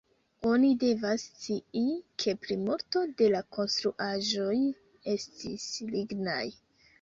Oni devas scii, ke plimulto de la konstruaĵoj estis lignaj.